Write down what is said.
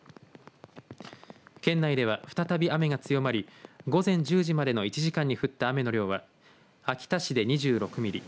県内では再び雨が強まり午前１０時までの１時間に降った雨の量は秋田市で２６ミリ